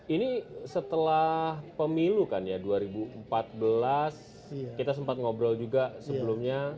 ini setelah pemilu kan ya dua ribu empat belas kita sempat ngobrol juga sebelumnya